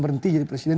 berhenti jadi presiden